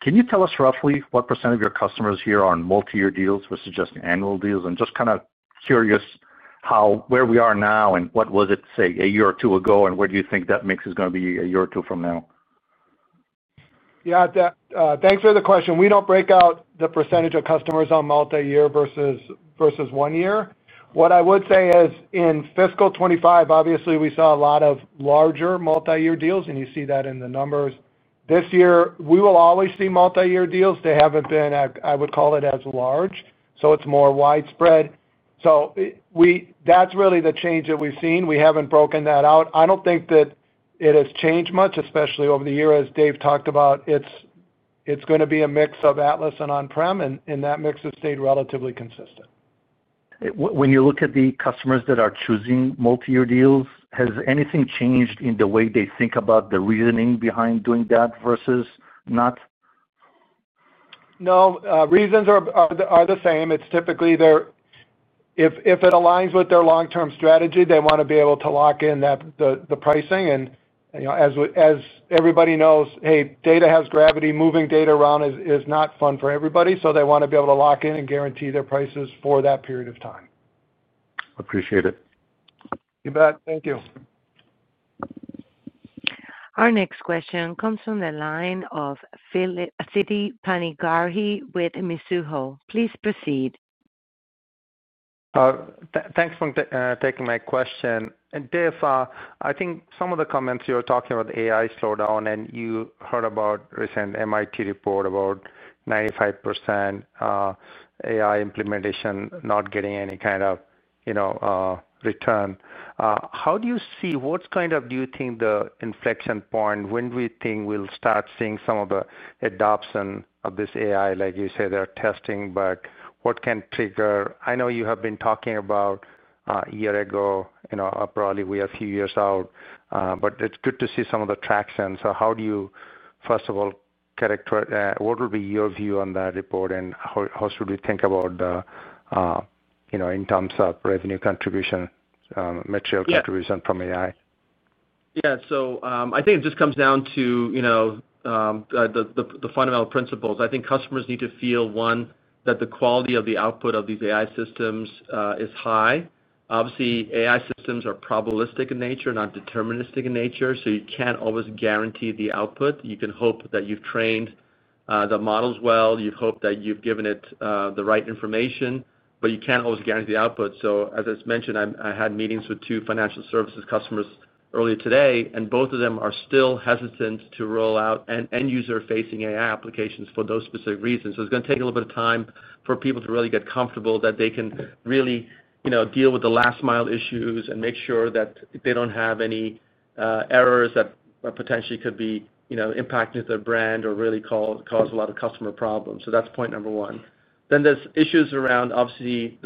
Can you tell us roughly what % of your customers here are on multi-year deals versus just annual deals? I'm just kind of curious where we are now and what was it, say, a year or two ago, and where do you think that mix is going to be a year or two from now? Thanks for the question. We don't break out the percentage of customers on multi year versus one year. What I would say is in fiscal 2025 obviously we saw a lot of larger multi year deals and you see that in the numbers this year. We will always see multi year deals. They haven't been, I would call it, as large. It's more widespread. That's really the change that we've seen. We haven't broken that out. I don't think that it has changed much, especially over the year. As Dev talked about, it's going to be a mix of Atlas and on-prem and that mix has stayed relatively consistent. When you look at the customers that are choosing multiyear deals, has anything changed in the way they think about the reasoning behind doing that versus not? No reasons are the same. It's typically there if it aligns with their long-term strategy. They want to be able to lock in the pricing, and as everybody knows, data has gravity. Moving data around is not fun for everybody. They want to be able to lock in and guarantee their prices for that period of time. Appreciate it. You bet. Thank you. Our next question comes from the line of Siti Panigrahi with Mizuho. Please proceed. Thanks for taking my question. I think some of the comments you were talking about AI slowdown and you heard about recent MIT report about 95% AI implementation not getting any kind of return. How do you see what kind of do you think the inflection point? When do we think we'll start seeing some of the adoption of this AI like you say they're testing but what can trigger. I know you have been talking about a year ago probably we are a few years out but it's good to see some of the traction. How do you first of all what will be your view on that report and how should we think about in terms of revenue contribution, material contribution from AI. Yeah. I think it just comes down to the fundamental principles. I think customers need to feel, one, that the quality of the output of these AI systems is high. Obviously AI systems are probabilistic in nature, not deterministic in nature. You can't always guarantee the output. You can hope that you've trained the models well, you've hoped that you've given it the right information, but you can't always guarantee the output. As I mentioned, I had meetings with two financial services customers earlier today and both of them are still hesitant to roll out end user facing AI applications for those specific reasons. It's going to take a little bit of time for people to really get comfortable that they can really deal with the last mile issues and make sure that they don't have any errors that potentially could be impacted their brand or really cause a lot of customer problems. That's point number one. There are issues around obviously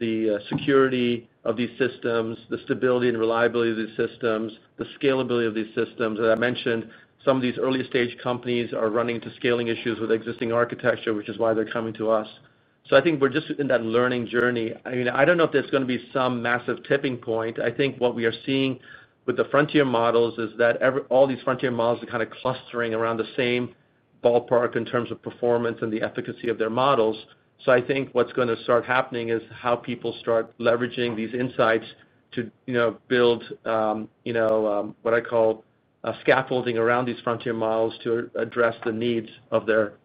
the security of these systems, the stability and reliability of these systems, the scalability of these systems. As I mentioned, some of these early stage companies are running into scaling issues with existing architecture, which is why they're coming to us. I think we're just in that learning journey. I don't know if there's going to be some massive tipping point. What we are seeing with the frontier models is that all these frontier models are clustering around the same ballpark in terms of performance and the efficacy of their models. I think what's going to start happening is how people start leveraging these insights to build what I call scaffolding around these frontier models to address the needs of their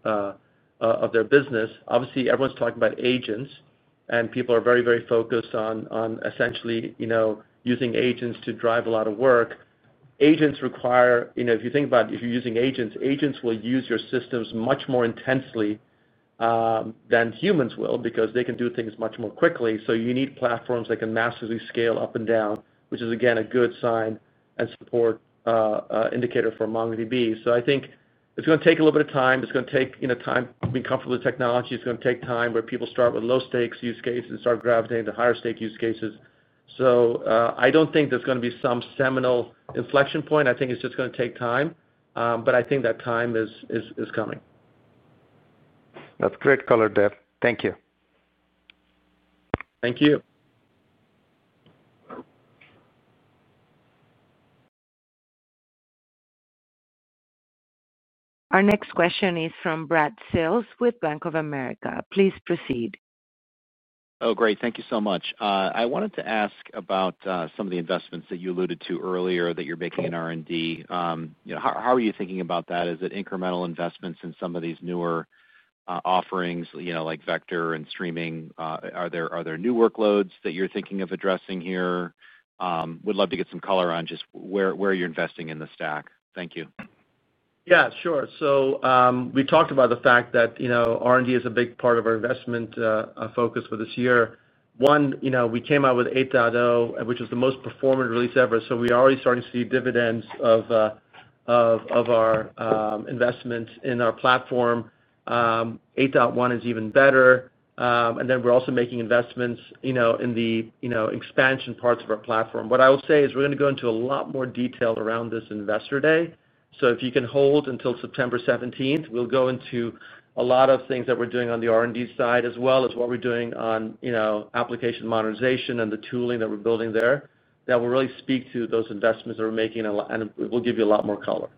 business. Obviously everyone's talking about agents and people are very, very focused on essentially using agents to drive a lot of work. Agents require. If you think about if you're using agents, agents will use your systems much more intensely than humans will because they can do things much more quickly. You need platforms that can massively scale up and down, which is again a good sign and support indicator for MongoDB. I think it's going to take a little bit of time. It's going to take time being comfortable with technology, it's going to take time where people start with low stakes use cases, start gravitating to higher stake use cases. I don't think there's going to be some seminal inflection point. I think it's just going to take time. I think that time is coming. That's great. Color Dev, thank you. Thank you. Our next question is from Bradley Sills with Bank of America. Please proceed. Oh, great. Thank you so much. I wanted to ask about some of the investments that you alluded to earlier that you're making in R&D. How are you thinking about that? Is it incremental investments in some of these newer offerings like vector and streaming? Are there new workloads that you're thinking of addressing here? We'd love to get some color on just where you're investing in the stack. Thank you. Yeah, sure. We talked about the fact that R&D is a big part of our investment focus for this year. One, we came out with 8.0, which was the most performant release ever. We already started to see dividends of our investment in our platform. 8.1 is even better. We're also making investments in the expansion parts of our platform. What I will say is we're going to go into a lot more detail around this Investor Day. If you can hold until September 17th, we'll go into a lot of things that we're doing on the R&D side as well as what we're doing on application modernization and the tooling that we're building there that will really speak to those investments that we're making and will give you a lot more color.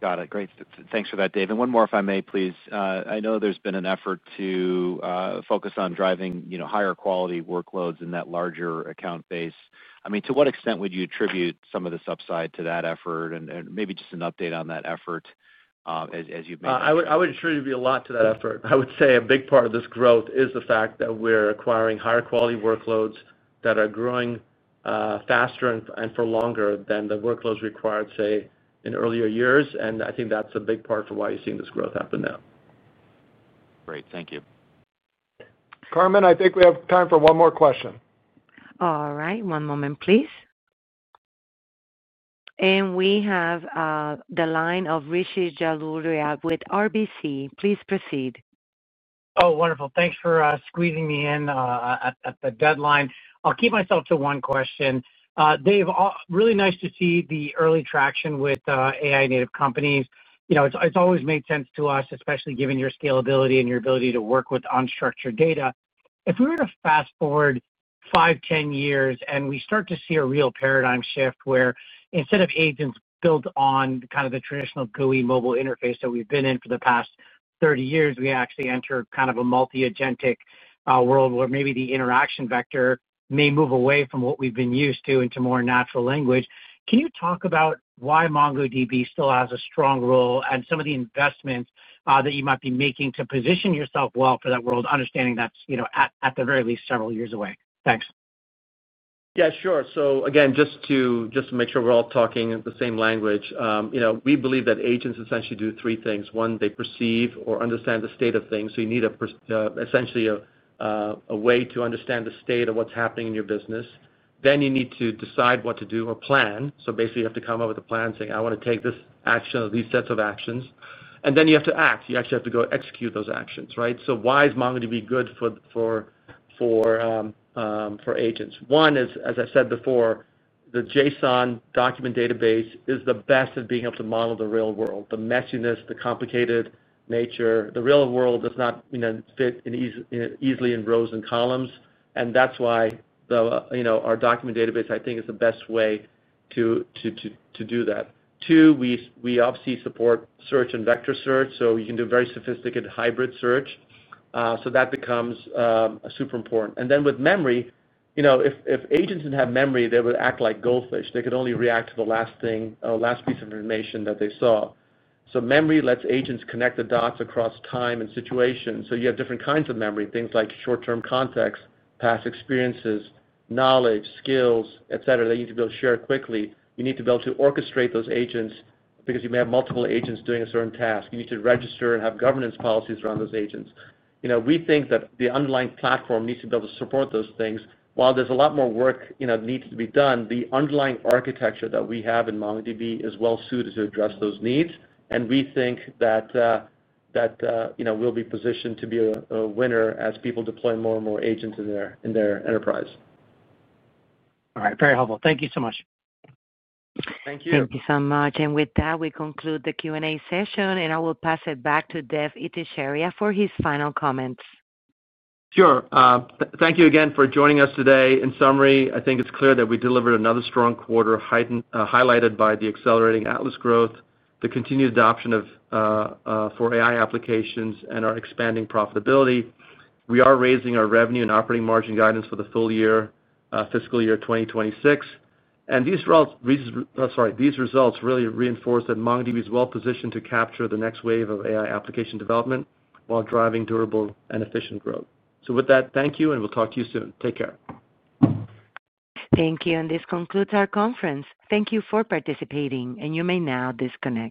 Got it. Great. Thanks for that, Dave. One more, if I may, please. I know there's been an effort to focus on driving higher quality workloads in that larger account base. To what extent would you attribute some of this upside to that effort and maybe just an update on that effort as you make? I would attribute a lot to that effort. I would say a big part of this growth is the fact that we're acquiring higher quality workloads that are growing faster and for longer than the workloads acquired, say, in earlier years. I think that's a big part for why you're seeing this growth happen now. Great. Thank you, Carmen. I think we have time for one more question. All right. One moment, please. We have the line of Rishi Jaluria with RBC. Please proceed. Oh, wonderful. Thanks for squeezing me in at the deadline. I'll keep myself to one question. Dev, really nice to see the early traction with AI-native companies. You know, it's always made sense to us, especially given your scalability and your ability to work with unstructured data. If we were to fast forward five, 10 years and we start to see a real paradigm shift where instead of agents built on kind of the traditional GUI mobile interface that we've been in for the past 30 years, we actually enter kind of a multi-agentic world where maybe the interaction vector may move away from what we've been used to into more natural language. Can you talk about why MongoDB still has a strong role and some of the investments that you might be making to position yourself well for that world? Understanding that's at the very least several years away? Thanks. Yeah, sure. Again, just to make sure we're all talking the same language, we believe that agents essentially do three things. One, they perceive or understand the state of things. You need essentially a way to understand the state of what's happening in your business. Then you need to decide what to do or plan. Basically, you have to come up with a plan saying I want to take this action or these sets of actions, and then you have to act. You actually have to go execute those actions. Right. Why is MongoDB good for agents? One is, as I said before, the JSON document database is the best at being able to model the real world. The messiness, the complicated nature. The real world does not fit easily in rows and columns. That's why our document database, I think, is the best way to do that. Two, we obviously support search and vector search. You can do very sophisticated hybrid search. That becomes super important. With memory, if agents didn't have memory, they would act like goldfish. They could only react to the last thing, last piece of information that they saw. Memory lets agents connect the dots across time and situation. You have different kinds of memory, things like short-term context, past experiences, knowledge, skills etc, that you need to be able to share quickly. You need to be able to orchestrate those agents because you may have multiple agents doing a certain task. You need to register and have governance policies around those agents. We think that the underlying platform needs to be able to support those things. While there's a lot more work that needs to be done, the underlying architecture that we have in MongoDB is well suited to address those needs. We think that we'll be positioned to be a winner as people deploy more and more agents in their enterprise. All right, very helpful. Thank you so much. Thank you so much. With that, we conclude the Q&A session, and I will pass it back to Dev Ittycheria for his final comments. Sure. Thank you again for joining us today. In summary, I think it's clear that we delivered another strong quarter highlighted by the accelerating Atlas growth, the continued adoption for AI applications, and our expanding profitability. We are raising our revenue and operating margin guidance for the full year fiscal year 2026, and these results really reinforce that MongoDB is well positioned to capture the next wave of AI application development while driving durable and efficient growth. Thank you and we'll talk to you soon. Take care. Thank you. This concludes our conference. Thank you for participating and you may now disconnect.